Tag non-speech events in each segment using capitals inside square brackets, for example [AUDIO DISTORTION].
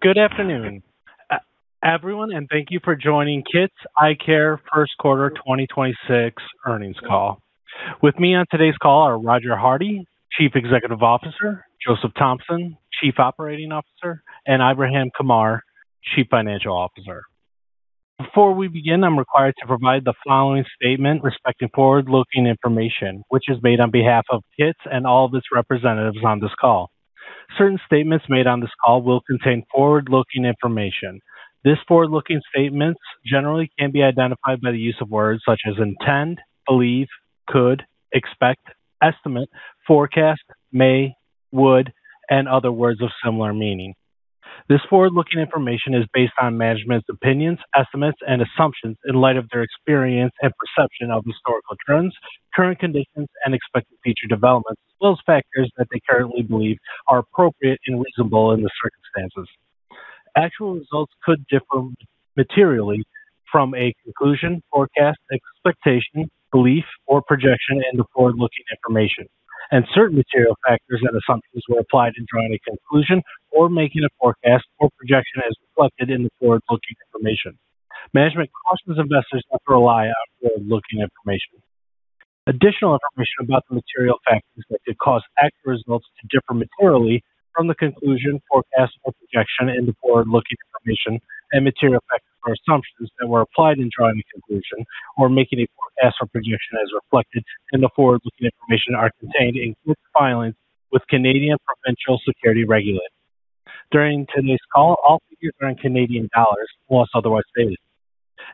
Good afternoon, everyone, and thank you for joining KITS Eyecare first quarter 2026 earnings call. With me on today's call are Roger Hardy, Chief Executive Officer, Joseph Thompson, Chief Operating Officer, and Ibrahim Kamar, Chief Financial Officer. Before we begin, I am required to provide the following statement respecting forward-looking information, which is made on behalf of KITS and all of its representatives on this call. Certain statements made on this call will contain forward-looking information. These forward-looking statements generally can be identified by the use of words such as intend, believe, could, expect, estimate, forecast, may, would, and other words of similar meaning. This forward-looking information is based on management's opinions, estimates, and assumptions in light of their experience and perception of historical trends, current conditions, and expected future developments. Those factors that they currently believe are appropriate and reasonable in the circumstances. Actual results could differ materially from a conclusion, forecast, expectation, belief, or projection in the forward-looking information. Certain material factors and assumptions were applied in drawing a conclusion or making a forecast or projection as reflected in the forward-looking information. Management cautions investors not to rely on forward-looking information. Additional information about the material factors that could cause actual results to differ materially from the conclusion, forecast, or projection in the forward-looking information and material factors or assumptions that were applied in drawing a conclusion or making a forecast or projection as reflected in the forward-looking information are contained in KITS filings with Canadian provincial security regulators. During today's call, all figures are in Canadian dollars unless otherwise stated.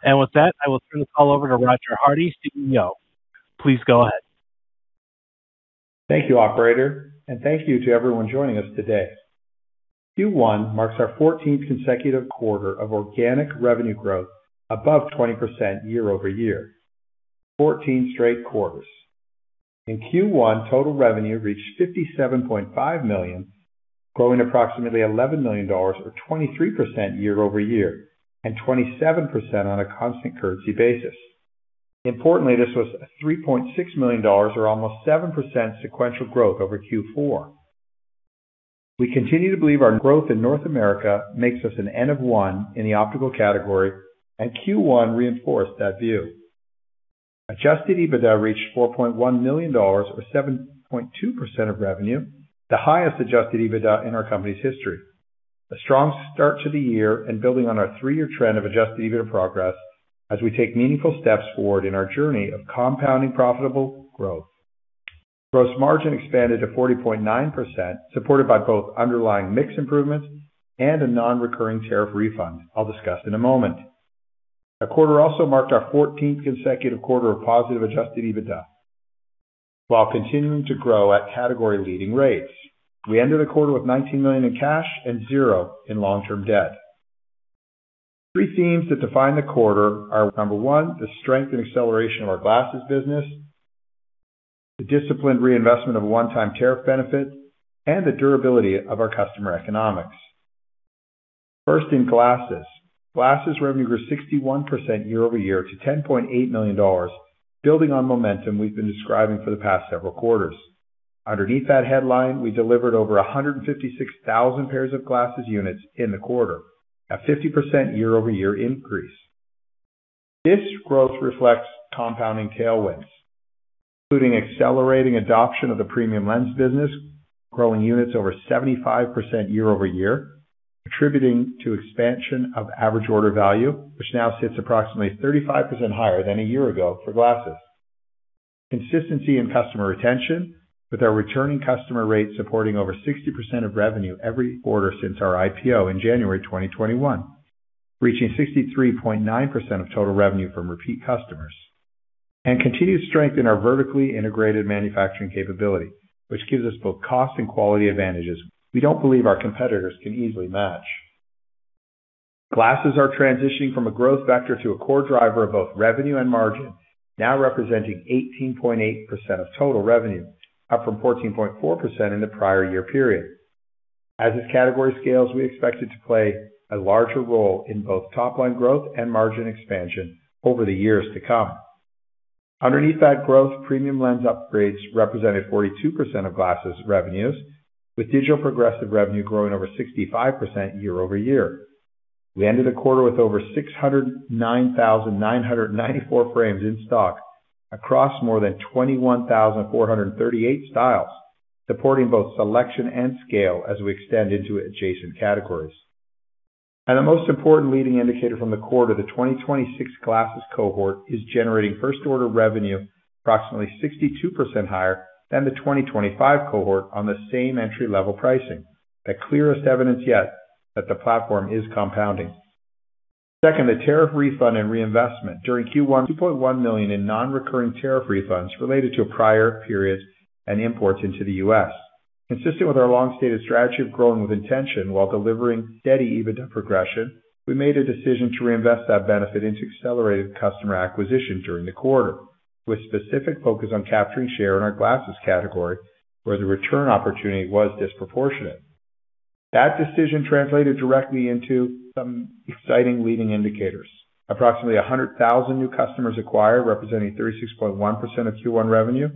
With that, I will turn the call over to Roger Hardy, CEO. Please go ahead. Thank you, operator, and thank you to everyone joining us today. Q1 marks our 14th consecutive quarter of organic revenue growth above 20% year-over-year.-14 straight quarters. In Q1, total revenue reached 57.5 million, growing approximately 11 million dollars or 23% year-over-year, and 27% on a constant currency basis. Importantly, this was a 3.6 million dollars or almost 7% sequential growth over Q4. We continue to believe our growth in North America makes us an N of one in the optical category, and Q1 reinforced that view. Adjusted EBITDA reached 4.1 million dollars or 7.2% of revenue, the highest adjusted EBITDA in our company's history. A strong start to the year and building on our three-year trend of adjusted EBITDA progress as we take meaningful steps forward in our journey of compounding profitable growth. Gross margin expanded to 40.9%, supported by both underlying mix improvements and a non-recurring tariff refund I'll discuss in a moment. The quarter also marked our 14th consecutive quarter of positive adjusted EBITDA while continuing to grow at category-leading rates. We ended the quarter with 19 million in cash and zero in long-term debt. Three themes that define the quarter are, number one, the strength and acceleration of our glasses business, the disciplined reinvestment of a one-time tariff benefit, and the durability of our customer economics. First, in glasses. Glasses revenue grew 61% year-over-year to 10.8 million dollars, building on momentum we've been describing for the past several quarters. Underneath that headline, we delivered over 156,000 pairs of glasses units in the quarter, a 50% year-over-year increase. This growth reflects compounding tailwinds, including accelerating adoption of the premium lens business, growing units over 75% year-over-year, contributing to expansion of average order value, which now sits approximately 35% higher than a year ago for glasses. Consistency in customer retention with our returning customer rate supporting over 60% of revenue every quarter since our IPO in January 2021, reaching 63.9% of total revenue from repeat customers. Continued strength in our vertically integrated manufacturing capability, which gives us both cost and quality advantages we don't believe our competitors can easily match. Glasses are transitioning from a growth vector to a core driver of both revenue and margin, now representing 18.8% of total revenue, up from 14.4% in the prior year period. As this category scales, we expect it to play a larger role in both top-line growth and margin expansion over the years to come. Underneath that growth, premium lens upgrades represented 42% of glasses revenues, with digital progressive revenue growing over 65% year-over-year. We ended the quarter with over 609,994 frames in stock across more than 21,438 styles, supporting both selection and scale as we extend into adjacent categories. The most important leading indicator from the quarter, the 2026 glasses cohort is generating first order revenue approximately 62% higher than the 2025 cohort on the same entry-level pricing. The clearest evidence yet that the platform is compounding. Second, the tariff refund and reinvestment. During Q1, 2.1 million in non-recurring tariff refunds related to a prior period and imports into the U.S. Consistent with our long-stated strategy of growing with intention while delivering steady EBITDA progression, we made a decision to reinvest that benefit into accelerated customer acquisition during the quarter, with specific focus on capturing share in our glasses category where the return opportunity was disproportionate. That decision translated directly into some exciting leading indicators. Approximately 100,000 new customers acquired, representing 36.1% of Q1 revenue.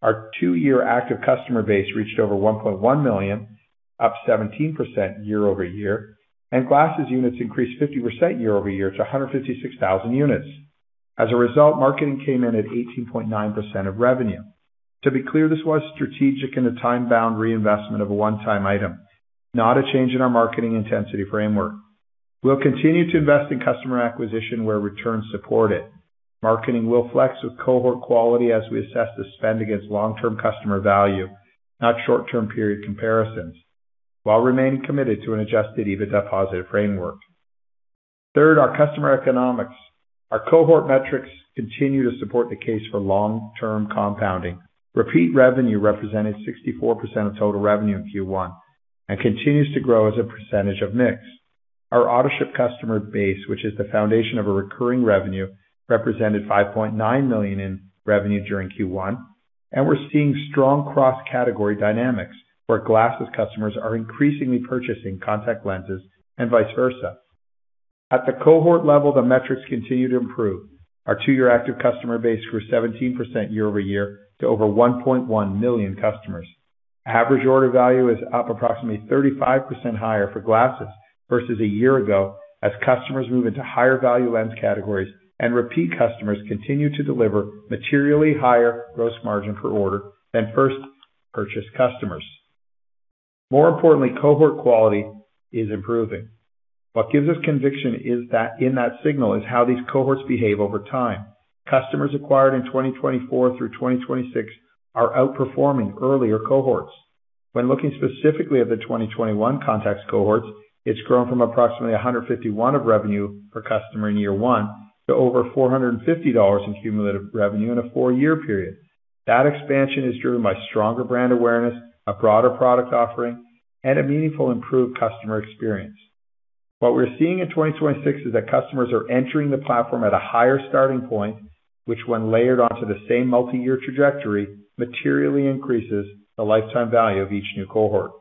Our two-year active customer base reached over 1.1 million, up 17% year-over-year, and glasses units increased 50% year-over-year to 156,000 units. As a result, marketing came in at 18.9% of revenue. To be clear, this was strategic and a time-bound reinvestment of a one-time item, not a change in our marketing intensity framework. We'll continue to invest in customer acquisition where returns support it. Marketing will flex with cohort quality as we assess the spend against long-term customer value, not short-term period comparisons, while remaining committed to an adjusted EBITDA positive framework. Third, our customer economics. Our cohort metrics continue to support the case for long-term compounding. Repeat revenue represented 64% of total revenue in Q1 and continues to grow as a percentage of mix. Our Autoship customer base, which is the foundation of a recurring revenue, represented 5.9 million in revenue during Q1. We're seeing strong cross-category dynamics where glasses customers are increasingly purchasing contact lenses and vice versa. At the cohort level, the metrics continue to improve. Our two-year active customer base grew 17% year-over-year to over 1.1 million customers. Average order value is up approximately 35% higher for glasses versus a year ago as customers move into higher value lens categories. Repeat customers continue to deliver materially higher gross margin per order than first-purchase customers. More importantly, cohort quality is improving. What gives us conviction in that signal is how these cohorts behave over time. Customers acquired in 2024 through 2026 are outperforming earlier cohorts. When looking specifically at the 2021 contacts cohorts, it's grown from approximately 151 of revenue per customer in year one to over 450 dollars in cumulative revenue in a four-year period. That expansion is driven by stronger brand awareness, a broader product offering, and a meaningful improved customer experience. What we're seeing in 2026 is that customers are entering the platform at a higher starting point, which when layered onto the same multi-year trajectory, materially increases the lifetime value of each new cohort.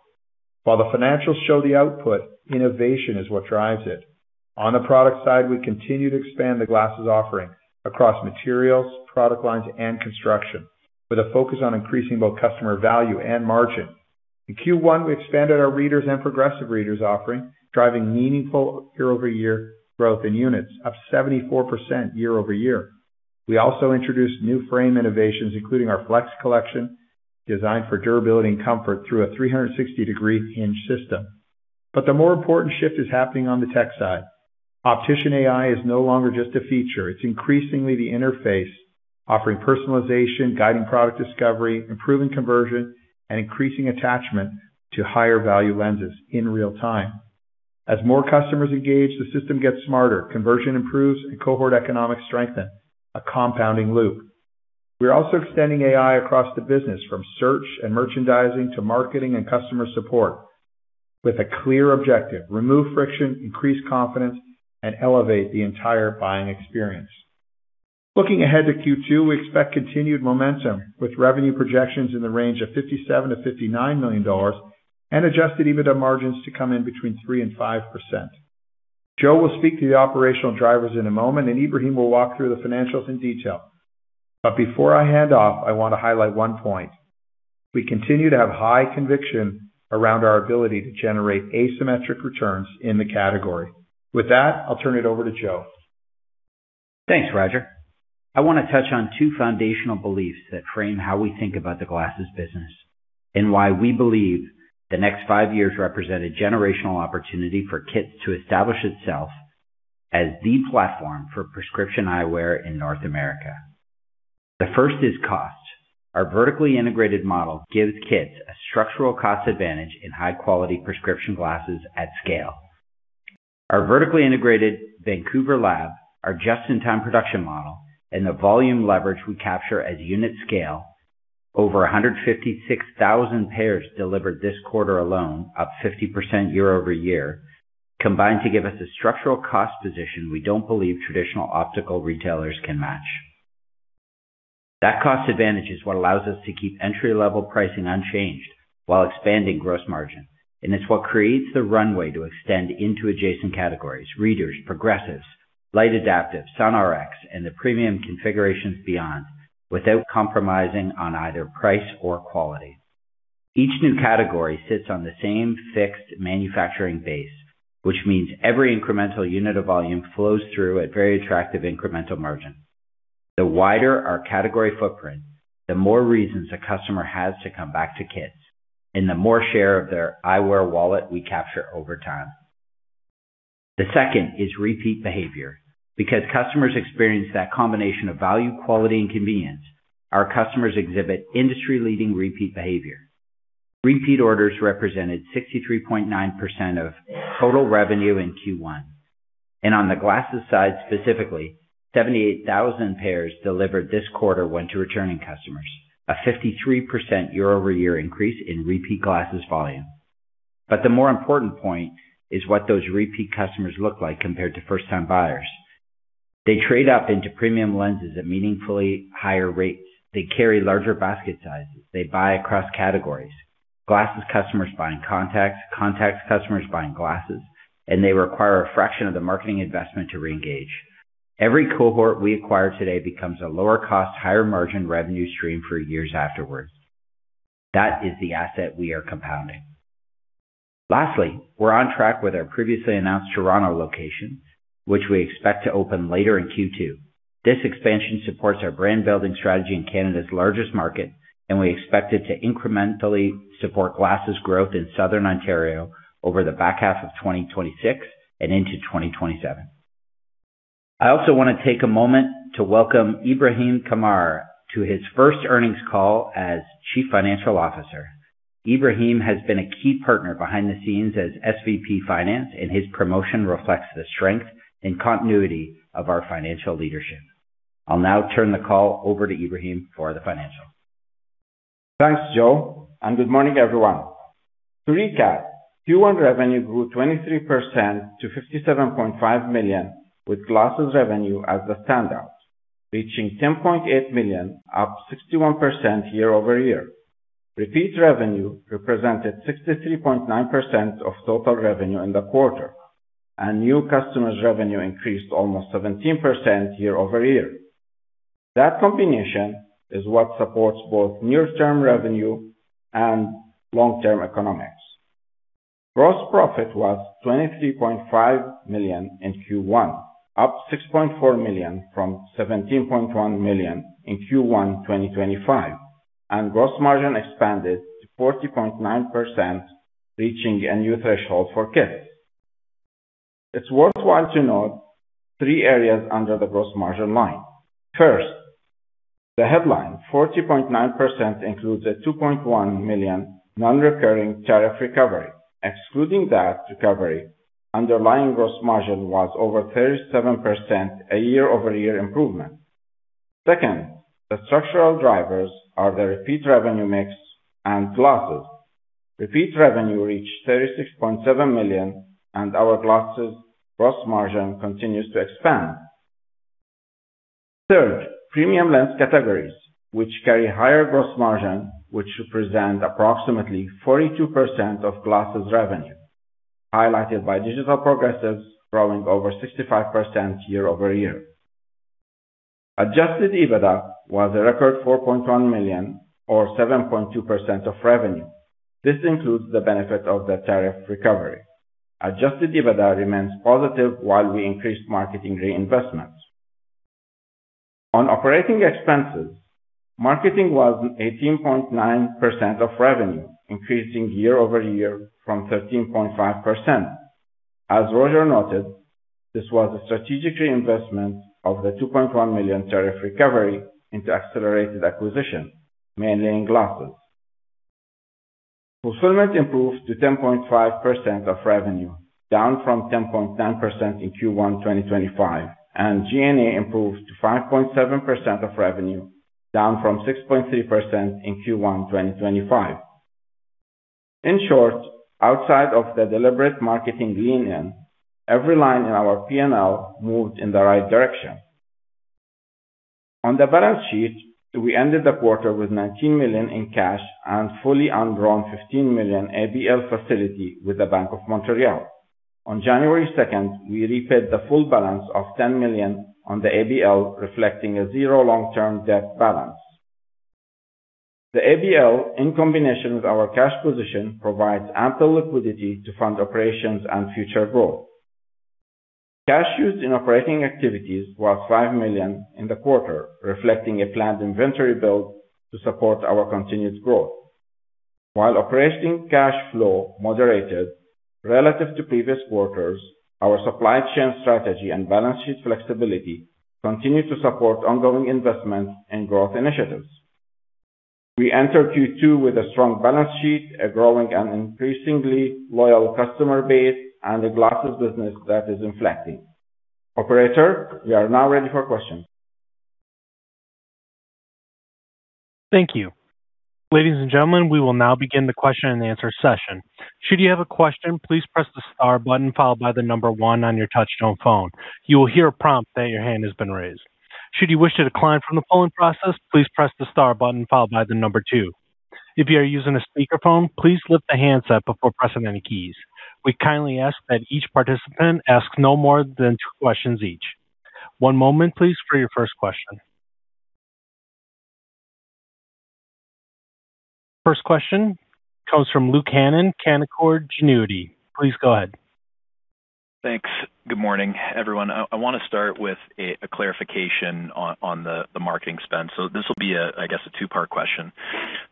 While the financials show the output, innovation is what drives it. On the product side, we continue to expand the glasses offering across materials, product lines, and construction with a focus on increasing both customer value and margin. In Q1, we expanded our readers and progressive readers offering, driving meaningful year-over-year growth in units, up 74% year-over-year. We also introduced new frame innovations, including our Flex collection, designed for durability and comfort through a 360-degree hinge system. The more important shift is happening on the tech side. OpticianAI is no longer just a feature. It's increasingly the interface offering personalization, guiding product discovery, improving conversion, and increasing attachment to higher value lenses in real time. As more customers engage, the system gets smarter, conversion improves, and cohort economics strengthen, a compounding loop. We're also extending AI across the business from search and merchandising to marketing and customer support with a clear objective, remove friction, increase confidence, and elevate the entire buying experience. Looking ahead to Q2, we expect continued momentum with revenue projections in the range of 57 million-59 million dollars and adjusted EBITDA margins to come in between 3% and 5%. Joe will speak to the operational drivers in a moment, and Ibrahim will walk through the financials in detail. Before I hand off, I want to highlight one point. We continue to have high conviction around our ability to generate asymmetric returns in the category. With that, I'll turn it over to Joe. Thanks, Roger. I want to touch on two foundational beliefs that frame how we think about the glasses business and why we believe the next five years represent a generational opportunity for KITS to establish itself as the platform for prescription eyewear in North America. The first is cost. Our vertically integrated model gives KITS a structural cost advantage in high quality prescription glasses at scale. Our vertically integrated Vancouver lab, our just-in-time production model, and the volume leverage we capture as unit scale, over 156,000 pairs delivered this quarter alone, up 50% year-over-year, combine to give us a structural cost position we don't believe traditional optical retailers can match. That cost advantage is what allows us to keep entry-level pricing unchanged while expanding gross margin, and it's what creates the runway to extend into adjacent categories: readers, progressives, light adaptive, Sun Rx, and the premium configurations beyond without compromising on either price or quality. Each new category sits on the same fixed manufacturing base, which means every incremental unit of volume flows through at very attractive incremental margins. The wider our category footprint, the more reasons a customer has to come back to KITS, and the more share of their eyewear wallet we capture over time. The second is repeat behavior. Because customers experience that combination of value, quality, and convenience, our customers exhibit industry-leading repeat behavior. Repeat orders represented 63.9% of total revenue in Q1. On the glasses side, specifically, 78,000 pairs delivered this quarter went to returning customers, a 53% year-over-year increase in repeat glasses volume. The more important point is what those repeat customers look like compared to first-time buyers. They trade up into premium lenses at meaningfully higher rates. They carry larger basket sizes. They buy across categories. Glasses customers buying contacts customers buying glasses, and they require a fraction of the marketing investment to reengage. Every cohort we acquire today becomes a lower cost, higher margin revenue stream for years afterwards. That is the asset we are compounding. Lastly, we're on track with our previously announced Toronto location, which we expect to open later in Q2. This expansion supports our brand building strategy in Canada's largest market, and we expect it to incrementally support glasses growth in Southern Ontario over the back half of 2026 and into 2027. I also want to take a moment to welcome Ibrahim Kamar to his first earnings call as Chief Financial Officer. Ibrahim has been a key partner behind the scenes as SVP, Finance, and his promotion reflects the strength and continuity of our financial leadership. I'll now turn the call over to Ibrahim for the financials. Thanks, Joe, and good morning, everyone. To recap, Q1 revenue grew 23% to 57.5 million, with glasses revenue as the standout, reaching 10.8 million, up 61% year-over-year. Repeat revenue represented 63.9% of total revenue in the quarter, and new customers revenue increased almost 17% year-over-year. That combination is what supports both near-term revenue and long-term economics. Gross profit was 23.5 million in Q1, up 6.4 million from 17.1 million in Q1 2025, and gross margin expanded to 40.9%, reaching a new threshold for KITS. It's worthwhile to note three areas under the gross margin line. First, the headline, 40.9% includes a 2.1 million non-recurring tariff recovery. Excluding that recovery, underlying gross margin was over 37%, a year-over-year improvement. Second, the structural drivers are the repeat revenue mix and glasses. Repeat revenue reached 36.7 million, and our glasses gross margin continues to expand. Third, premium lens categories, which carry higher gross margin, which represent approximately 42% of glasses revenue, highlighted by digital progressives growing over 65% year-over-year. Adjusted EBITDA was a record 4.1 million or 7.2% of revenue. This includes the benefit of the tariff recovery. Adjusted EBITDA remains positive while we increase marketing reinvestments. On operating expenses, marketing was 18.9% of revenue, increasing year-over-year from 13.5%. As Roger noted, this was a strategic reinvestment of the 2.1 million tariff recovery into accelerated acquisition, mainly in glasses. Fulfillment improved to 10.5% of revenue, down from 10.9% in Q1 2025, and G&A improved to 5.7% of revenue, down from 6.3% in Q1 2025. In short, outside of the deliberate marketing lean in, every line in our P&L moved in the right direction. On the balance sheet, we ended the quarter with 19 million in cash and fully undrawn 15 million ABL facility with the Bank of Montreal. On January 2nd, we repaid the full balance of 10 million on the ABL, reflecting a zero long-term debt balance. The ABL, in combination with our cash position, provides ample liquidity to fund operations and future growth. Cash used in operating activities was 5 million in the quarter, reflecting a planned inventory build to support our continued growth. While operating cash flow moderated relative to previous quarters, our supply chain strategy and balance sheet flexibility continue to support ongoing investments in growth initiatives. We enter Q2 with a strong balance sheet, a growing and increasingly loyal customer base, and a glasses business that is inflecting. Operator, we are now ready for questions. Thank you. Ladies and gentlemen, we will now begin the question-and-answer session. Should you have a question, please press the star button followed by the number one on your touch-tone phone. You will hear a prompt that your hand has been raised. Should you wish to decline from the polling process, please press the star button followed by the number two. If you are using a speakerphone, please lift the handset before pressing any keys. We kindly ask that each participant ask no more than two questions each. One moment please for your first question. First question comes from Luke Hannan, Canaccord Genuity. Please go ahead. Thanks. Good morning, everyone. I want to start with a clarification on the marketing spend. This will be a two-part question.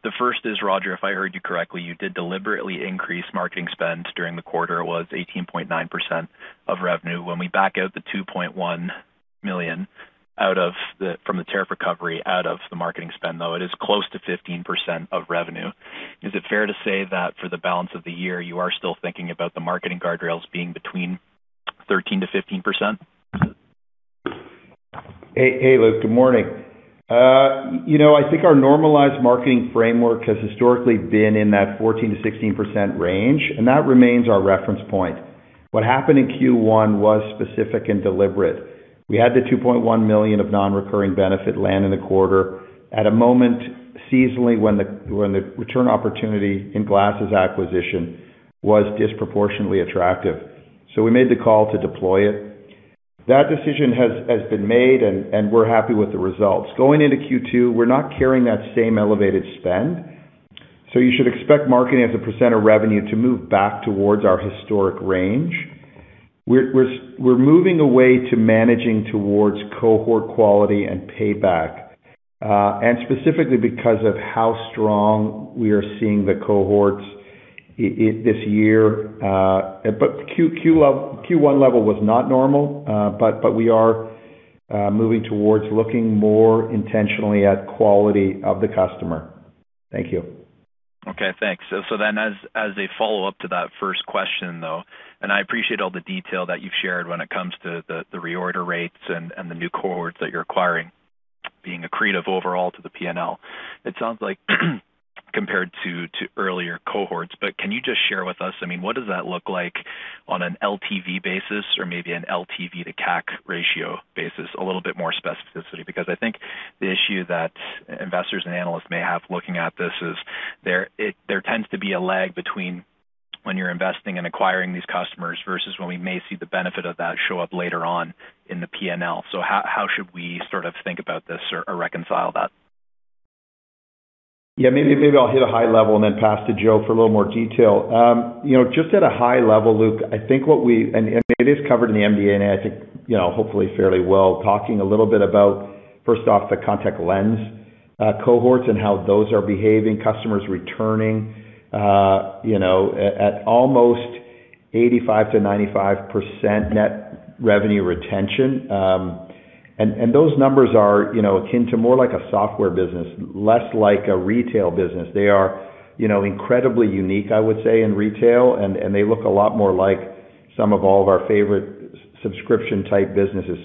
The first is, Roger, if I heard you correctly, you did deliberately increase marketing spend during the quarter. It was 18.9% of revenue. When we back out the 2.1 million from the tariff recovery out of the marketing spend, though, it is close to 15% of revenue. Is it fair to say that for the balance of the year, you are still thinking about the marketing guardrails being between 13%-15%? Hey, Luke. Good morning. You know, I think our normalized marketing framework has historically been in that 14%-16% range, and that remains our reference point. What happened in Q1 was specific and deliberate. We had the 2.1 million of non-recurring benefit land in the quarter at a moment seasonally when the return opportunity in glasses acquisition was disproportionately attractive. We made the call to deploy it. That decision has been made and we're happy with the results. Going into Q2, we're not carrying that same elevated spend, you should expect marketing as a percent of revenue to move back towards our historic range. We're moving away to managing towards cohort quality and payback, and specifically because of how strong we are seeing the cohorts this year. Q1 level was not normal, but we are moving towards looking more intentionally at quality of the customer. Thank you. Okay, thanks. As a follow-up to that first question, though, and I appreciate all the detail that you've shared when it comes to the reorder rates and the new cohorts that you're acquiring being accretive overall to the P&L. It sounds like compared to earlier cohorts. Can you just share with us, I mean, what does that look like on an LTV basis or maybe an LTV to CAC ratio basis, a little bit more specificity? I think the issue that investors and analysts may have looking at this is there tends to be a lag between, when you're investing and acquiring these customers versus when we may see the benefit of that show up later on in the P&L. How should we sort of think about this or reconcile that? Yeah, maybe I'll hit a high level and then pass to Joe for a little more detail. You know, just at a high level, Luke, I think what we, and it is covered in the MD&A, and I think, you know, hopefully fairly well, talking a little bit about, first off, the contact lens cohorts and how those are behaving, customers returning, you know, at almost 85%-95% net revenue retention. And those numbers are, you know, akin to more like a software business, less like a retail business. They are, you know, incredibly unique, I would say, in retail, and they look a lot more like some of all of our favorite subscription type businesses.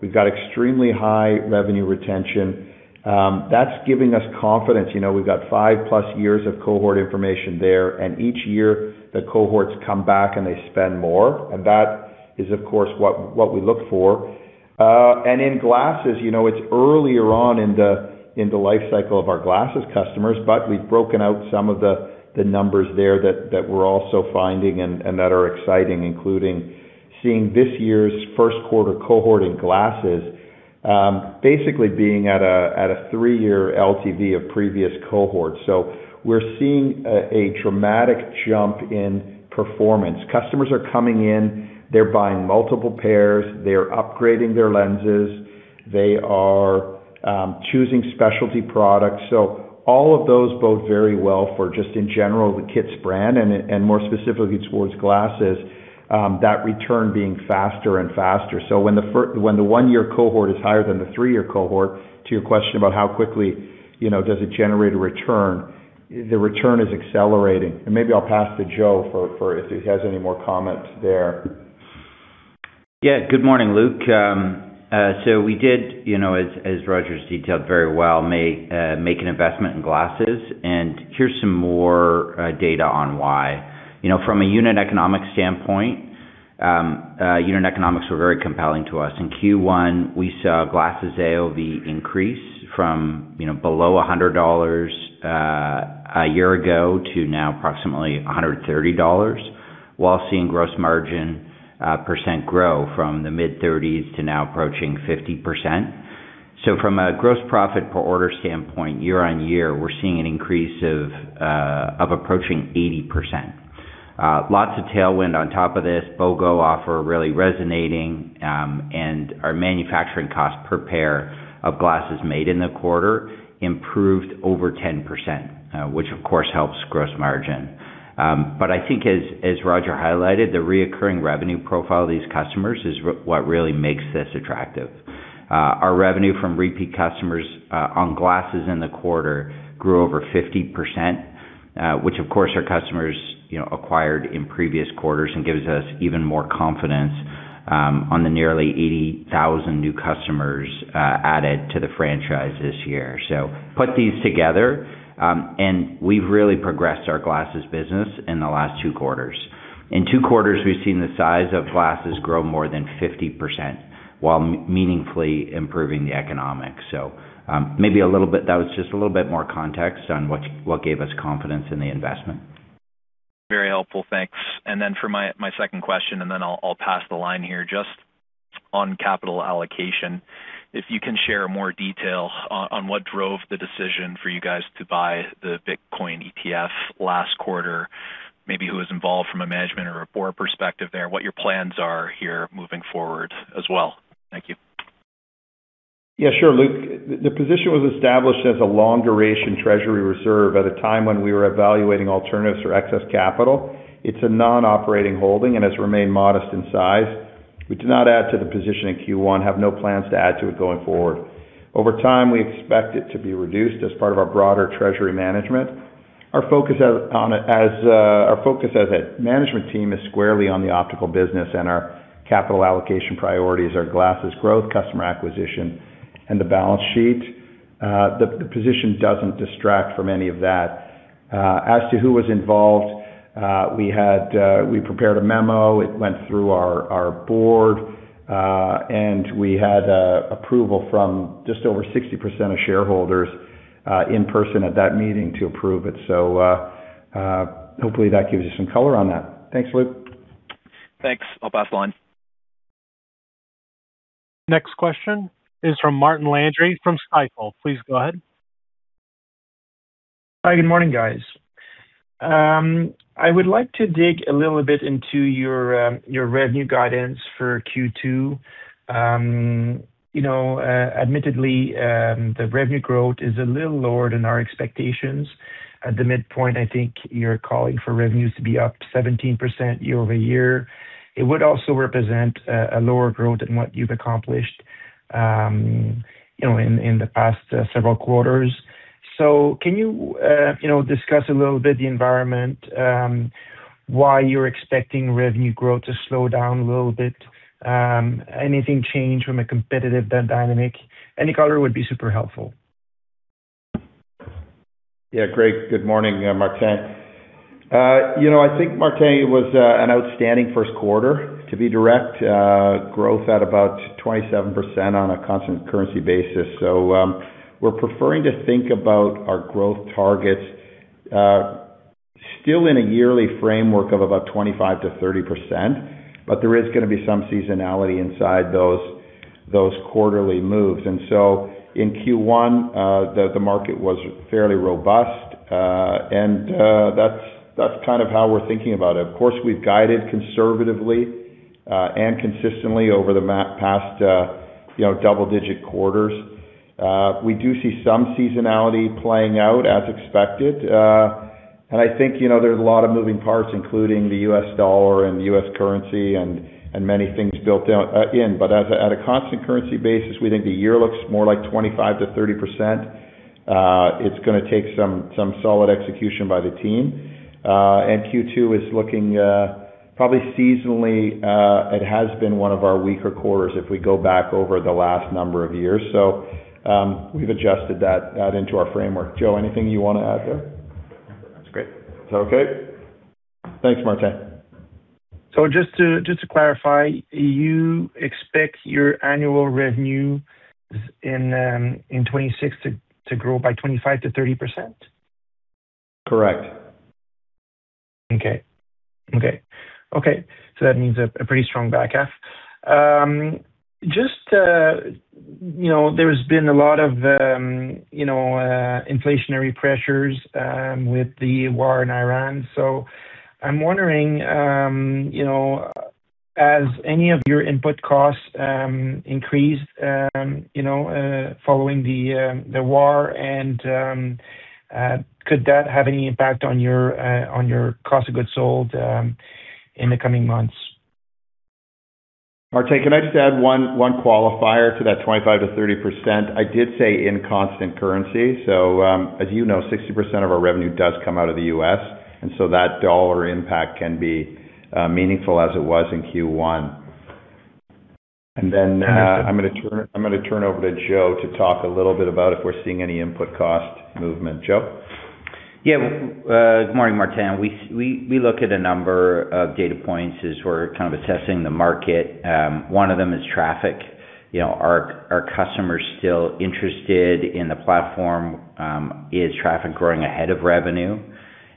We've got extremely high revenue retention. That's giving us confidence. You know, we've got 5+ years of cohort information there. Each year the cohorts come back, and they spend more. In glasses, you know, it's earlier on in the life cycle of our glasses customers, but we've broken out some of the numbers there that we're also finding and that are exciting, including seeing this year's first quarter cohort in glasses, basically being at a three-year LTV of previous cohorts. We're seeing a dramatic jump in performance. Customers are coming in, they're buying multiple pairs, they're upgrading their lenses, they are choosing specialty products. All of those bode very well for just in general, the KITS brand and more specifically towards glasses, that return being faster and faster. When the one-year cohort is higher than the three-year cohort, to your question about how quickly, you know, does it generate a return, the return is accelerating. Maybe I'll pass to Joe for if he has any more comments there. Good morning, Luke. We did, you know, as Roger's detailed very well, make an investment in glasses, and here's some more data on why. You know, from a unit economic standpoint, unit economics were very compelling to us. In Q1, we saw glasses AOV increase from, you know, below 100 dollars a year ago to now approximately 130 dollars, while seeing gross margin percent grow from the mid-30% to now approaching 50%. From a gross profit per order standpoint, year-over-year, we're seeing an increase of approaching 80%. Lots of tailwind on top of this BOGO offer really resonating, and our manufacturing cost per pair of glasses made in the quarter improved over 10%, which of course helps gross margin. I think as Roger highlighted, the reoccurring revenue profile of these customers is what really makes this attractive. Our revenue from repeat customers on glasses in the quarter grew over 50%, which of course our customers, you know, acquired in previous quarters and gives us even more confidence on the nearly 80,000 new customers added to the franchise this year. Put these together, we've really progressed our glasses business in the last two quarters. In two quarters, we've seen the size of glasses grow more than 50% while meaningfully improving the economics. That was just a little bit more context on what gave us confidence in the investment. Very helpful. Thanks. For my second question, then I'll pass the line here. Just on capital allocation, if you can share more detail on what drove the decision for you guys to buy the Bitcoin ETF last quarter, maybe who was involved from a management or a board perspective there, and what your plans are here moving forward as well? Thank you. Yeah, sure, Luke. The position was established as a long-duration treasury reserve at a time when we were evaluating alternatives for excess capital. It's a non-operating holding and has remained modest in size. We did not add to the position in Q1, have no plans to add to it going forward. Over time, we expect it to be reduced as part of our broader treasury management. Our focus as a management team is squarely on the optical business and our capital allocation priorities, our glasses growth, customer acquisition, and the balance sheet. The position doesn't distract from any of that. As to who was involved, we had, we prepared a memo, it went through our board, and we had approval from just over 60% of shareholders in person at that meeting to approve it. Hopefully that gives you some color on that. Thanks, Luke. Thanks. I'll pass the line. Next question is from Martin Landry from Stifel. Please go ahead. Hi, good morning, guys. I would like to dig a little bit into your revenue guidance for Q2. You know, admittedly, the revenue growth is a little lower than our expectations. At the midpoint, I think you're calling for revenues to be up 17% year-over-year. It would also represent a lower growth than what you've accomplished, you know, in the past several quarters. Can you know, discuss a little bit the environment, why you're expecting revenue growth to slow down a little bit? Anything change from a competitive dynamic? Any color would be super helpful. Yeah, great. Good morning, Martin. You know, I think Martin, it was an outstanding first quarter to be direct, growth at about 27% on a constant currency basis. We're preferring to think about our growth targets still in a yearly framework of about 25%-30%, but there is gonna be some seasonality inside those quarterly moves. In Q1, the market was fairly robust. That's kind of how we're thinking about it. Of course, we've guided conservatively and consistently over the past, you know, double-digit quarters. We do see some seasonality playing out as expected. I think, you know, there's a lot of moving parts, including the U.S. dollar and U.S. currency and many things built out. At a constant currency basis, we think the year looks more like 25%-30%. It's gonna take some solid execution by the team. Q2 is looking, probably seasonally, it has been one of our weaker quarters if we go back over the last number of years. We've adjusted that into our framework. Joe, anything you wanna add there? [AUDIO DISTORTION] That's great. Is that okay? Thanks, Martin. Just to clarify, you expect your annual revenue in 2026 to grow by 25%-30%? Correct. Okay. Okay. Okay. That means a pretty strong back half. Just, you know, there's been a lot of, you know, inflationary pressures with the war in Iran. I'm wondering, you know, has any of your input costs increased, you know, following the war, and could that have any impact on your cost of goods sold in the coming months? Martin, can I just add one qualifier to that 25%-30%? I did say in constant currency. As you know, 60% of our revenue does come out of the U.S., that dollar impact can be meaningful as it was in Q1. I'm gonna turn over to Joe to talk a little bit about if we're seeing any input cost movement. Joe. Yeah. Good morning, Martin. We look at a number of data points as we're kind of assessing the market. One of them is traffic. You know, are customers still interested in the platform? Is traffic growing ahead of revenue?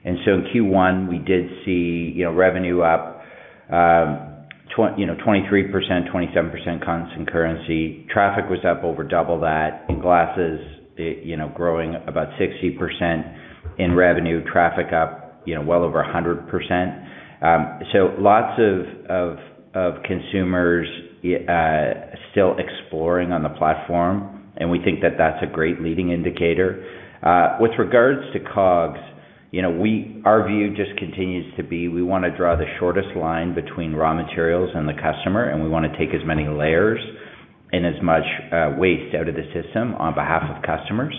In Q1, we did see, you know, revenue up, you know, 23%, 27% constant currency. Traffic was up over double that. In glasses, it, you know, growing about 60% in revenue, traffic up, you know, well over 100%. Lots of consumers still exploring on the platform, and we think that that's a great leading indicator. With regards to COGS, you know, our view just continues to be, we wanna draw the shortest line between raw materials and the customer, and we wanna take as many layers and as much waste out of the system on behalf of customers.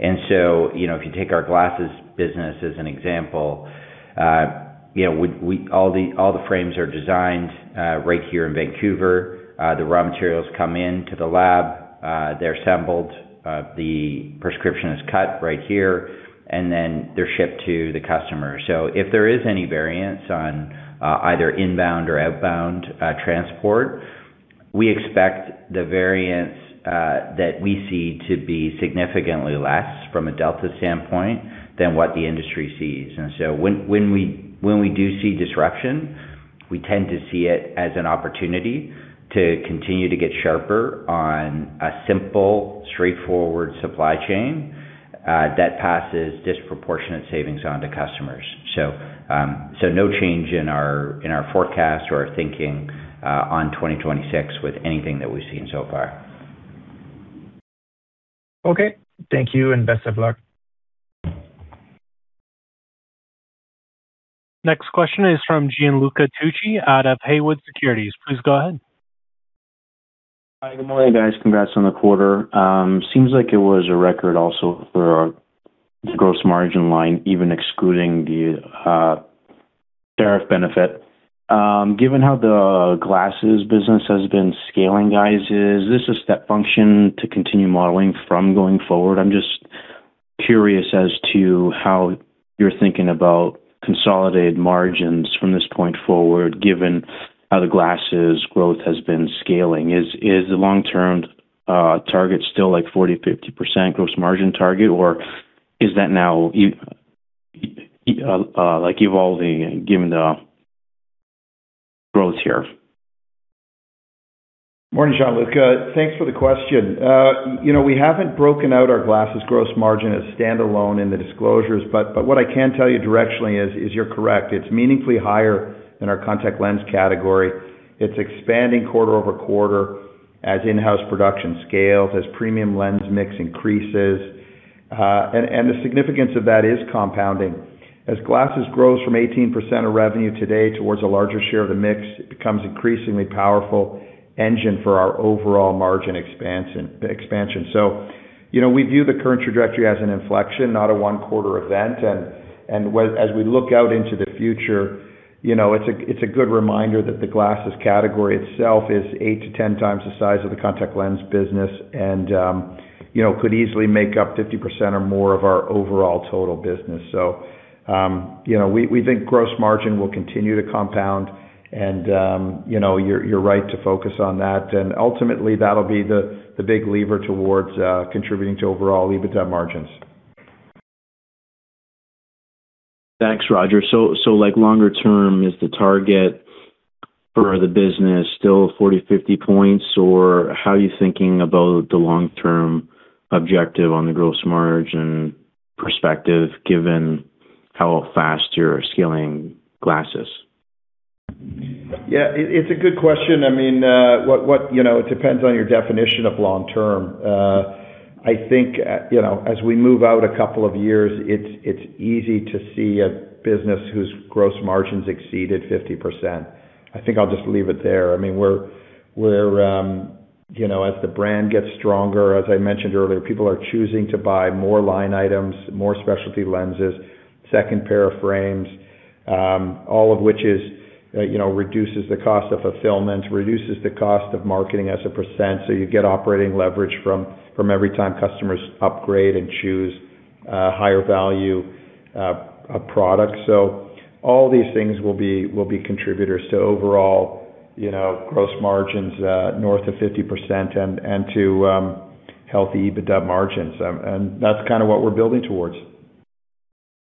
You know, if you take our glasses business as an example, you know, all the frames are designed right here in Vancouver. The raw materials come into the lab, they're assembled, the prescription is cut right here, and then they're shipped to the customer. If there is any variance on either inbound or outbound transport, we expect the variance that we see to be significantly less from a delta standpoint than what the industry sees. When, when we, when we do see disruption, we tend to see it as an opportunity to continue to get sharper on a simple, straightforward supply chain that passes disproportionate savings on to customers. No change in our, in our forecast or our thinking on 2026 with anything that we've seen so far. Okay. Thank you and best of luck. Next question is from Gianluca Tucci out of Haywood Securities. Please go ahead. Hi, good morning, guys. Congrats on the quarter. Seems like it was a record also for the gross margin line, even excluding the tariff benefit. Given how the glasses business has been scaling, guys, is this a step function to continue modeling from going forward? I'm just curious as to how you're thinking about consolidated margins from this point forward, given how the glasses growth has been scaling. Is the long-term target still like 40%, 50% gross margin target, or is that now like evolving given the growth here? Morning, Gianluca. Thanks for the question. You know, we haven't broken out our glasses gross margin as standalone in the disclosures, but what I can tell you directionally is you're correct. It's meaningfully higher than our contact lens category. It's expanding quarter-over-quarter as in-house production scales, as premium lens mix increases, and the significance of that is compounding. As glasses grows from 18% of revenue today towards a larger share of the mix, it becomes increasingly powerful engine for our overall margin expansion. You know, we view the current trajectory as an inflection, not a one-quarter event. As we look out into the future, you know, it's a, it's a good reminder that the glasses category itself is 8x to 10x the size of the contact lens business and, you know, could easily make up 50% or more of our overall total business. You know, we think gross margin will continue to compound and, you know, you're right to focus on that. Ultimately, that'll be the big lever towards contributing to overall EBITDA margins. Thanks, Roger. Like longer term, is the target for the business still 40 points, 50 points? How are you thinking about the long-term objective on the gross margin perspective, given how fast you're scaling glasses? Yeah, it's a good question. I mean, you know, it depends on your definition of long term. I think, you know, as we move out a couple of years, it's easy to see a business whose gross margins exceeded 50%. I think I'll just leave it there. I mean, we're, you know, as the brand gets stronger, as I mentioned earlier, people are choosing to buy more line items, more specialty lenses, second pair of frames, all of which is, you know, reduces the cost of fulfillment, reduces the cost of marketing as a percent. You get operating leverage from every time customers upgrade and choose higher value product. All these things will be contributors to overall, you know, gross margins, north of 50% and to healthy EBITDA margins. That's kind of what we're building towards.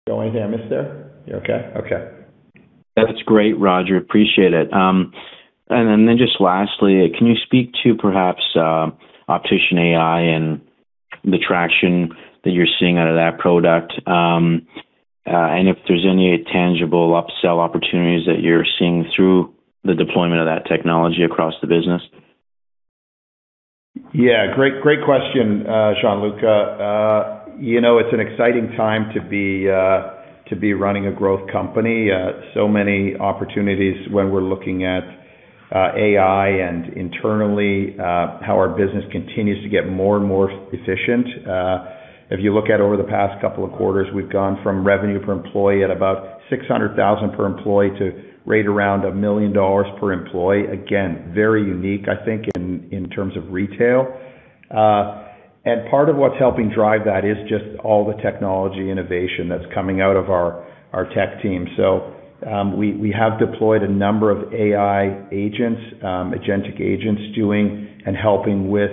Joe, anything I missed there? You okay? Okay. That's great, Roger. Appreciate it. Then just lastly, can you speak to perhaps OpticianAI and the traction that you're seeing out of that product, and if there's any tangible upsell opportunities that you're seeing through the deployment of that technology across the business? Yeah. Great, great question, Gianluca. You know, it's an exciting time to be running a growth company. So many opportunities when we're looking at AI and internally, how our business continues to get more and more efficient. If you look at over the past couple of quarters, we've gone from revenue per employee at about 600,000 per employee to right around 1 million dollars per employee. Again, very unique, I think, in terms of retail. Part of what's helping drive that is just all the technology innovation that's coming out of our tech team. We have deployed a number of AI agents, agentic agents doing and helping with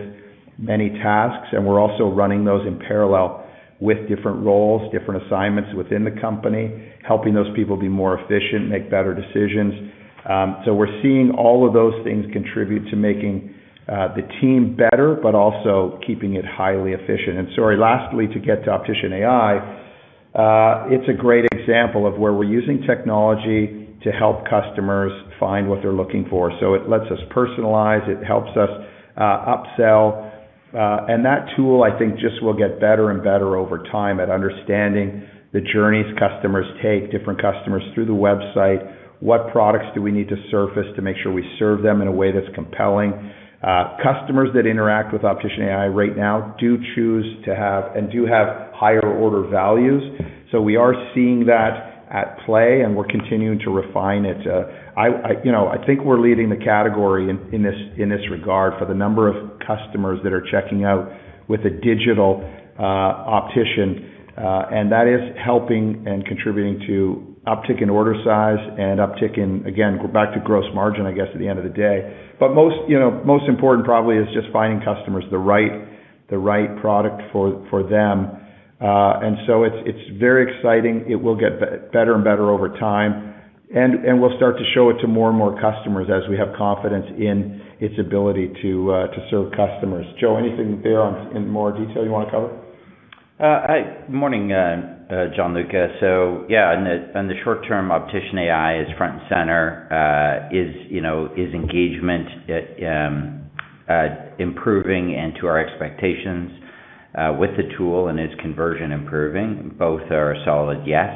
many tasks, and we're also running those in parallel with different roles, different assignments within the company, helping those people be more efficient, make better decisions. We're seeing all of those things contribute to making the team better, but also keeping it highly efficient. Sorry, lastly, to get to OpticianAI, it's a great example of where we're using technology to help customers find what they're looking for. It lets us personalize, it helps us upsell. That tool, I think, just will get better and better over time at understanding the journeys customers take, different customers through the website. What products do we need to surface to make sure we serve them in a way that's compelling? Customers that interact with OpticianAI right now do choose to have and do have higher order values. We are seeing that at play, and we're continuing to refine it. I, you know, I think we're leading the category in this, in this regard for the number of customers that are checking out with a digital optician, and that is helping and contributing to uptick in order size and uptick in, again, back to gross margin, I guess, at the end of the day. Most, you know, most important probably is just finding customers the right, the right product for them. It's, it's very exciting. It will get better and better over time, and we'll start to show it to more and more customers as we have confidence in its ability to serve customers. Joe, anything there in more detail you wanna cover? Hi. Morning, Gianluca. Yeah, in the, in the short term, OpticianAI is front and center. Is, you know, is engagement improving and to our expectations with the tool and is conversion improving? Both are a solid yes,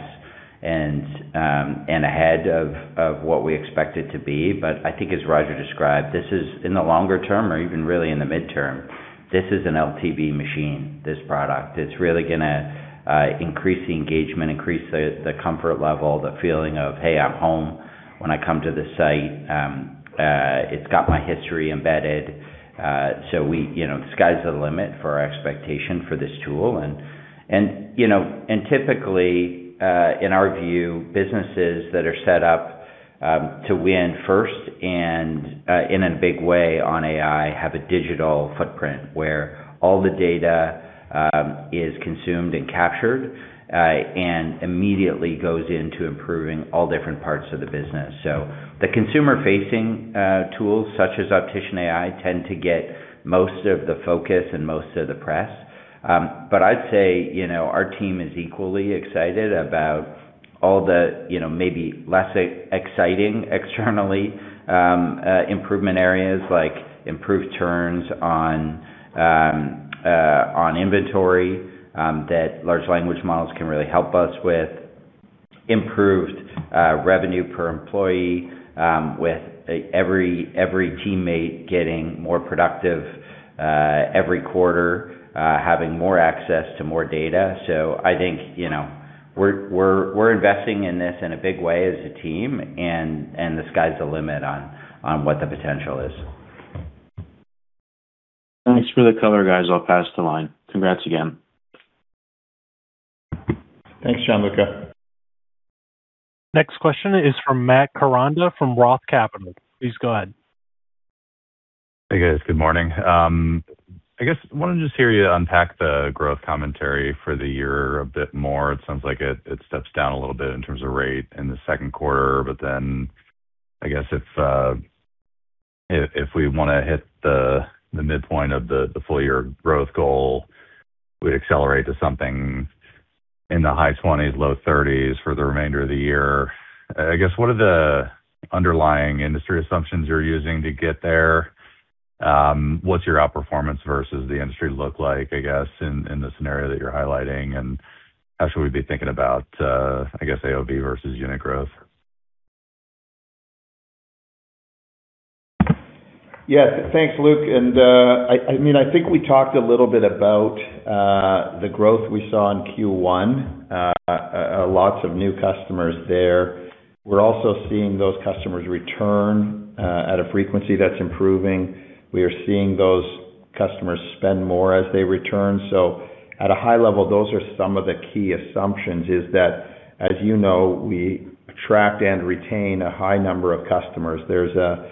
and ahead of what we expect it to be. I think as Roger described, this is in the longer term or even really in the midterm, this is an LTV machine, this product. It's really gonna increase the engagement, increase the comfort level, the feeling of, "Hey, I'm home." When I come to the site, it's got my history embedded. We, you know, the sky's the limit for our expectation for this tool. You know, typically, in our view, businesses that are set up to win first and in a big way on AI have a digital footprint where all the data is consumed and captured, and immediately goes into improving all different parts of the business. The consumer-facing tools such as OpticianAI tend to get most of the focus and most of the press. I'd say, you know, our team is equally excited about all the, you know, maybe less exciting externally improvement areas like improved turns on inventory that large language models can really help us with. Improved revenue per employee with every teammate getting more productive every quarter, having more access to more data. I think, you know, we're investing in this in a big way as a team, and the sky's the limit on what the potential is. Thanks for the color, guys. I will pass to line. Congrats again. Thanks, Gianluca. Next question is from Matt Koranda from Roth Capital. Please go ahead. Hey, guys. Good morning. I guess I wanna just hear you unpack the growth commentary for the year a bit more. It sounds like it steps down a little bit in terms of rate in the second quarter. I guess if we wanna hit the midpoint of the full year growth goal, we'd accelerate to something in the high-20%, low-30% for the remainder of the year. I guess, what are the underlying industry assumptions you're using to get there? What's your outperformance versus the industry look like, I guess, in the scenario that you're highlighting? How should we be thinking about, I guess AOV versus unit growth? Yes. Thanks, Luke. I think we talked a little bit about the growth we saw in Q1. Lots of new customers there. We're also seeing those customers return at a frequency that's improving. We are seeing those customers spend more as they return. At a high level, those are some of the key assumptions, is that, as you know, we attract and retain a high number of customers. There's a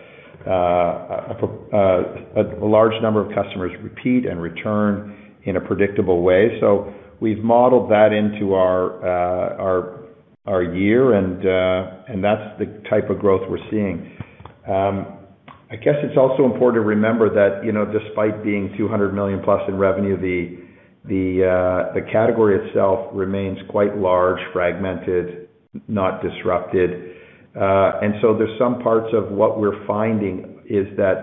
large number of customers repeat and return in a predictable way. We've modeled that into our year and that's the type of growth we're seeing. I guess it's also important to remember that, you know, despite being 200 million+ in revenue, the category itself remains quite large, fragmented, not disrupted. There's some parts of what we're finding is that,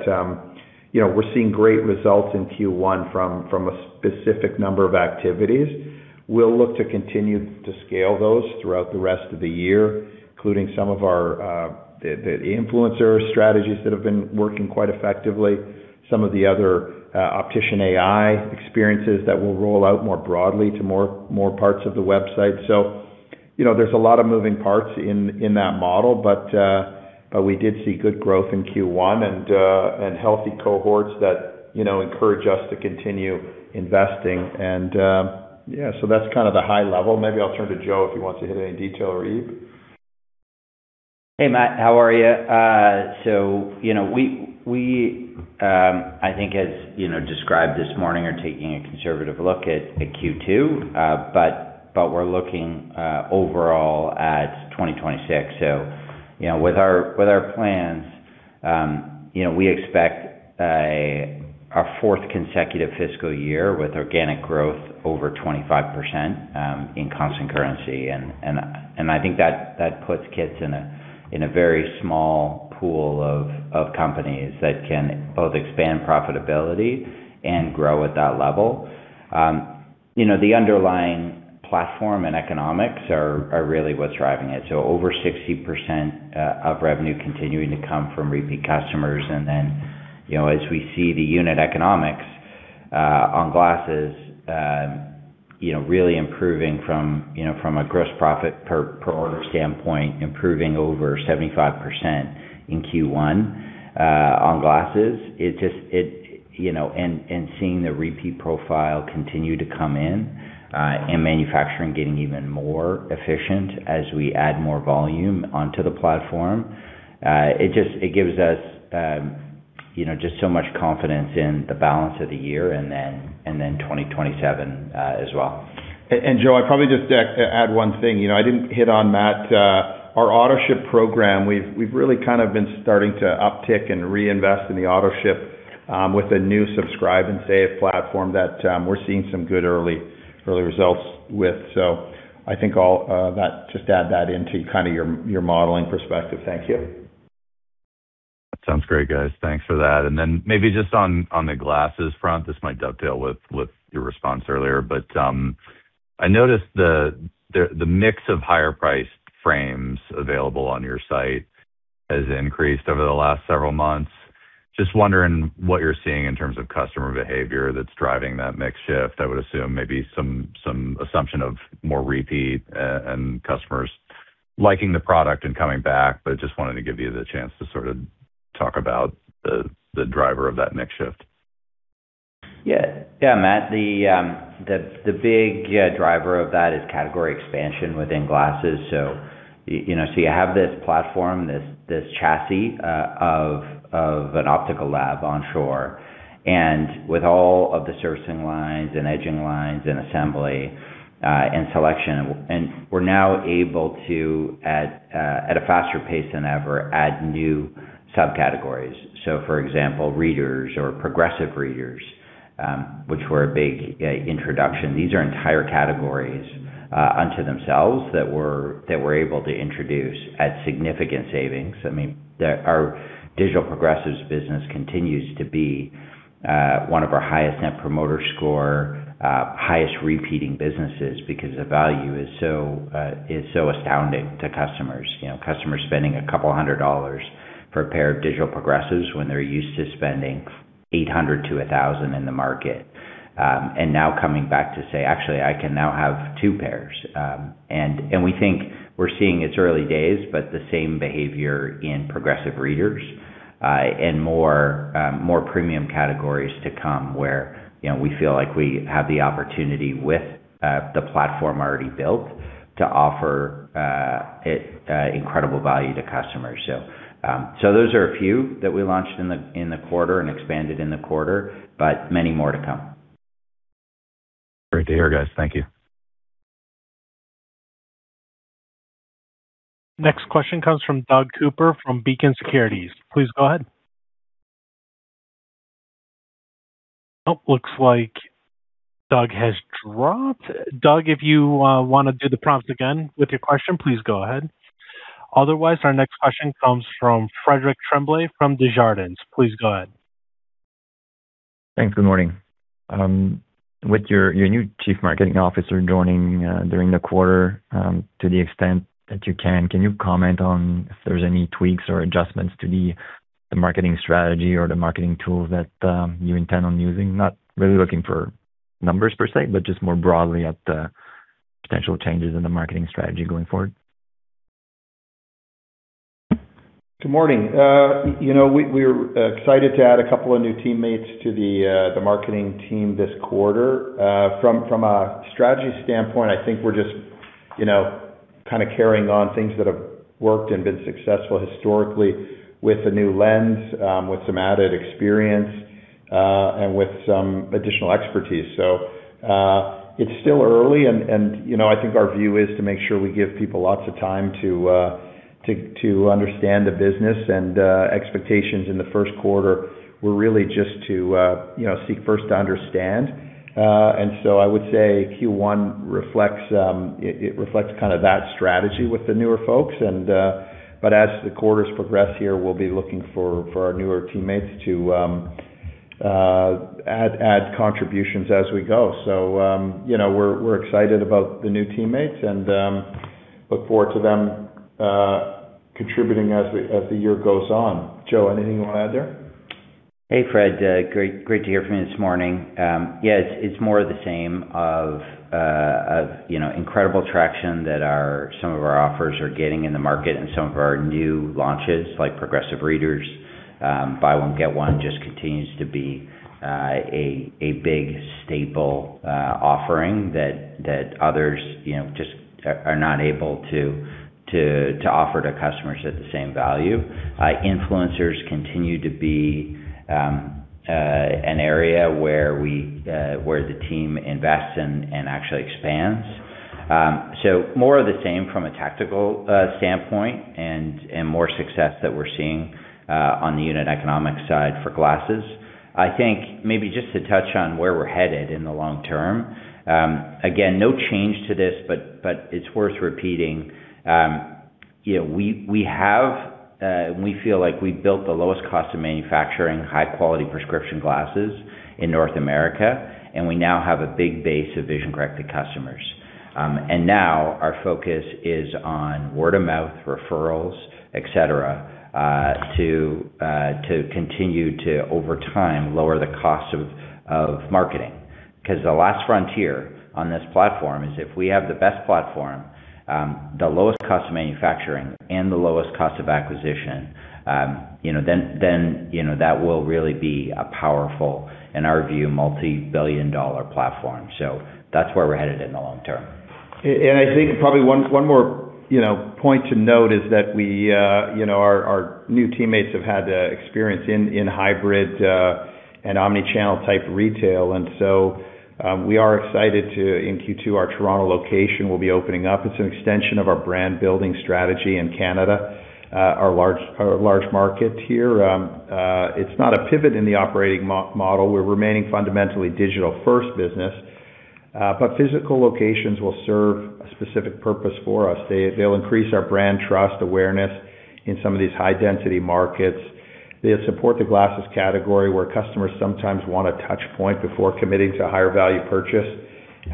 you know, we're seeing great results in Q1 from a specific number of activities. We'll look to continue to scale those throughout the rest of the year, including some of our the influencer strategies that have been working quite effectively, some of the other OpticianAI experiences that we'll roll out more broadly to more parts of the website. You know, there's a lot of moving parts in that model, but we did see good growth in Q1 and healthy cohorts that, you know, encourage us to continue investing. Yeah, so that's kind of the high level. Maybe I'll turn to Joe if he wants to hit any detail or view? Hey, Matt. How are you? You know, we, I think as, you know, described this morning are taking a conservative look at Q2. But we're looking overall at 2026. You know, with our plans, you know, we expect our fourth consecutive fiscal year with organic growth over 25% in constant currency. I think that puts KITS in a very small pool of companies that can both expand profitability and grow at that level. You know, the underlying platform and economics are really what's driving it. Over 60% of revenue continuing to come from repeat customers. As we see the unit economics, you know, on glasses, you know, really improving from, you know, from a gross profit per order standpoint, improving over 75% in Q1 on glasses. It just, you know, and seeing the repeat profile continue to come in, and manufacturing getting even more efficient as we add more volume onto the platform, it just gives us, you know, just so much confidence in the balance of the year and then 2027 as well. Joe, I'd probably just add one thing. You know, I didn't hit on Matt. Our Autoship program, we've really kind of been starting to uptick and reinvest in the Autoship, with a new Subscribe & Save platform that we're seeing some good early results with. I think I'll that just add that into kind of your modeling perspective. Thank you. That sounds great, guys. Thanks for that. Maybe just on the glasses front, this might dovetail with your response earlier, but I noticed the mix of higher priced frames available on your site has increased over the last several months. Just wondering what you're seeing in terms of customer behavior that's driving that mix shift. I would assume maybe some assumption of more repeat and customers liking the product, and coming back. Just wanted to give you the chance to sort of talk about the driver of that mix shift. Yeah, yeah, Matt, the big driver of that is category expansion within glasses. You know, you have this platform, this chassis of an optical lab onshore, and with all of the surfacing lines and edging lines and assembly, and selection, and we're now able to add at a faster pace than ever, add new subcategories. For example, readers or progressive readers, which were a big introduction. These are entire categories unto themselves that we're able to introduce at significant savings. I mean, our digital progressives business continues to be one of our highest Net Promoter Score, highest repeating businesses because the value is so astounding to customers. You know, customers spending a couple hundred dollars for a pair of digital progressives when they're used to spending 800-1,000 in the market. Now coming back to say, "Actually, I can now have two pairs." We think we're seeing, it's early days, but the same behavior in progressive readers, and more premium categories to come where, you know, we feel like we have the opportunity with the platform already built to offer incredible value to customers. Those are a few that we launched in the quarter and expanded in the quarter, but many more to come. Great to hear, guys. Thank you. Next question comes from Doug Cooper from Beacon Securities. Please go ahead. Nope, looks like Doug has dropped. Doug, if you wanna do the prompts again with your question, please go ahead. Otherwise, our next question comes from Frederic Tremblay from Desjardins. Please go ahead. Thanks. Good morning. With your new Chief Marketing Officer joining during the quarter, to the extent that you can you comment on if there's any tweaks or adjustments to the marketing strategy, or the marketing tools that you intend on using? Not really looking for numbers per se, but just more broadly at the potential changes in the marketing strategy going forward. Good morning. you know, we're excited to add a couple of new teammates to the marketing team this quarter. From a strategy standpoint, I think we're just, you know, kinda carrying on things that have worked and been successful historically with a new lens, with some added experience, and with some additional expertise. It's still early and, you know, I think our view is to make sure we give people lots of time to understand the business and, expectations in the first quarter were really just to, you know, seek first to understand. I would say Q1 reflects, it reflects kind of that strategy with the newer folks. As the quarters progress here, we'll be looking for our newer teammates to add contributions as we go. You know, we're excited about the new teammates and look forward to them contributing as the year goes on. Joe, anything you wanna add there? Hey, Fred. Great to hear from you this morning. Yeah, it's more of the same of, you know, incredible traction that some of our offers are getting in the market and some of our new launches, like progressive readers. Buy One, Get One just continues to be a big staple offering that others, you know, just are not able to offer to customers at the same value. Influencers continue to be an area where we where the team invests and actually expands. More of the same from a tactical standpoint and more success that we're seeing on the unit economic side for glasses. I think maybe just to touch on where we're headed in the long term, again, no change to this, but it's worth repeating. You know, we have, we feel like we've built the lowest cost of manufacturing high-quality prescription glasses in North America, and we now have a big base of vision-corrected customers. Now our focus is on word-of-mouth referrals, et cetera, to continue to, over time, lower the cost of marketing. The last frontier on this platform is if we have the best platform, the lowest cost of manufacturing, and the lowest cost of acquisition, you know, then, you know, that will really be a powerful, in our view, multi-billion dollar platform. That's where we're headed in the long term. I think probably one more, you know, point to note is that we, you know, our new teammates have had experience in hybrid and omni-channel type retail. We are excited to, in Q2, our Toronto location will be opening up. It's an extension of our brand building strategy in Canada, our large market here. It's not a pivot in the operating model. We're remaining fundamentally digital-first business, physical locations will serve a specific purpose for us. They'll increase our brand trust awareness in some of these high-density markets. They support the glasses category where customers sometimes want a touch point before committing to a higher value purchase,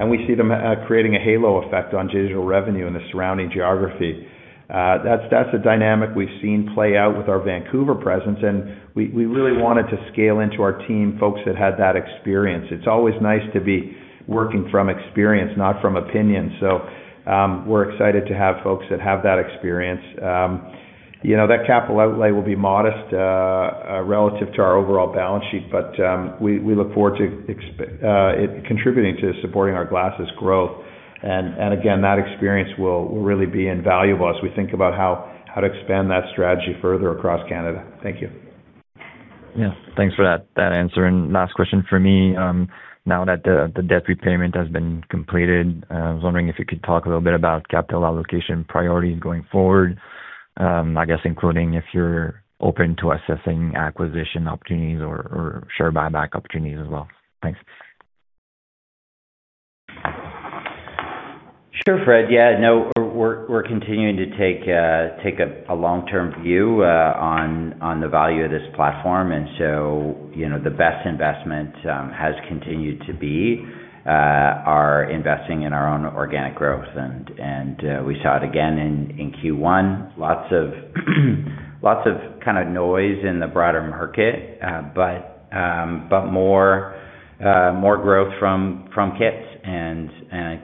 we see them creating a halo effect on digital revenue in the surrounding geography. That's a dynamic we've seen play out with our Vancouver presence, and we really wanted to scale into our team folks that had that experience. It's always nice to be working from experience, not from opinion. We're excited to have folks that have that experience. You know, that capital outlay will be modest relative to our overall balance sheet, we look forward to it contributing to supporting our glasses growth. Again, that experience will really be invaluable as we think about how to expand that strategy further across Canada. Thank you. Yeah. Thanks for that answer. Last question for me. Now that the debt repayment has been completed, I was wondering if you could talk a little bit about capital allocation priorities going forward, I guess including if you're open to assessing acquisition opportunities or share buyback opportunities as well? Thanks. Sure, Fred. Yeah. No, we're continuing to take a long-term view on the value of this platform. You know, the best investment has continued to be our investing in our own organic growth, and we saw it again in Q1. Lots of kind of noise in the broader market, but more growth from KITS and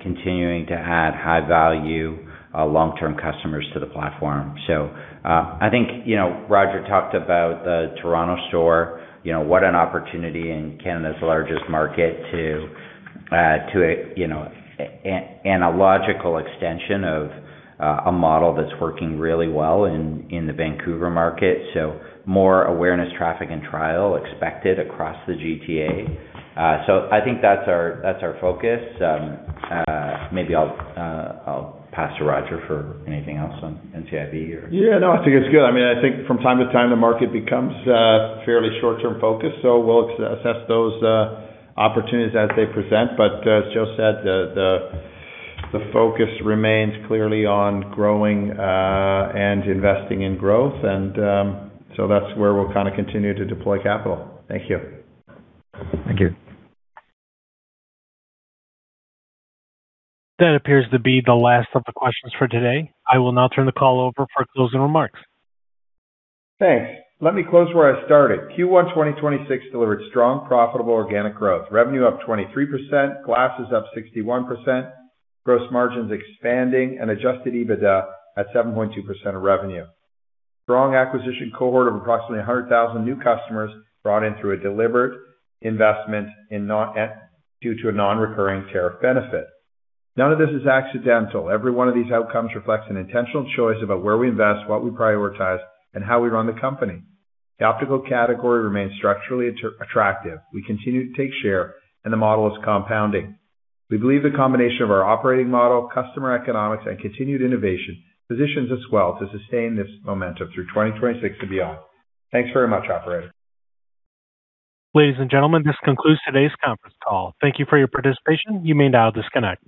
continuing to add high value long-term customers to the platform. I think, you know, Roger talked about the Toronto store, you know, what an opportunity in Canada's largest market to a, you know, and a logical extension of a model that's working really well in the Vancouver market. More awareness, traffic, and trial expected across the GTA. I think that's our focus. Maybe I'll pass to Roger for anything else on NCIB. Yeah, no, I think it's good. I mean, I think from time to time, the market becomes fairly short-term focused. We'll assess those opportunities as they present. As Joe said, the focus remains clearly on growing and investing in growth. That's where we'll kind of continue to deploy capital. Thank you. Thank you. That appears to be the last of the questions for today. I will now turn the call over for closing remarks. Thanks. Let me close where I started. Q1 2026 delivered strong profitable organic growth, revenue up 23%, glasses up 61%, gross margins expanding, and adjusted EBITDA at 7.2% of revenue. Strong acquisition cohort of approximately 100,000 new customers brought in through a deliberate investment due to a non-recurring tariff benefit. None of this is accidental. Every one of these outcomes reflects an intentional choice about where we invest, what we prioritize, and how we run the company. The optical category remains structurally attractive. We continue to take share, and the model is compounding. We believe the combination of our operating model, customer economics, and continued innovation positions us well to sustain this momentum through 2026 and beyond. Thanks very much, operator. Ladies and gentlemen, this concludes today's conference call. Thank you for your participation. You may now disconnect.